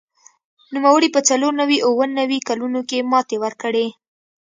نوموړي په څلور نوي او اووه نوي کلونو کې ماتې ورکړې